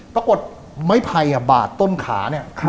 ปรากฏไม่ภัยบาดต้นขาเนี่ย